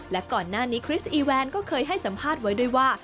และก่อนหน้านี้คริสอีแวนก็เคยให้สัมภาษณ์ไว้ด้วยว่า